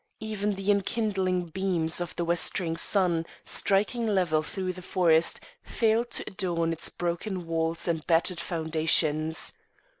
Even the enkindling beams of the westering sun striking level through the forest failed to adorn its broken walls and battered foundations.